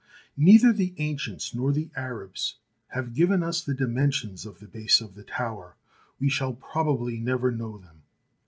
Neither the ancients nor the Arabs have given us the dimensions of the base of the tower; we shall probably never know them.